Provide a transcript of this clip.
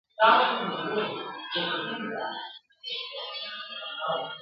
هر شعر باید پیغام ولري !.